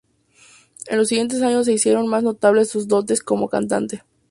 En los siguiente años, se hicieron más notables sus dotes como cantante.